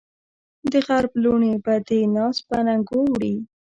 دغرب لوڼې به دې ناز په اننګو وړي